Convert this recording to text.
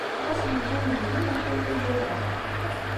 Ɣas yeggul deg-i, maca ur t-ugadeɣ.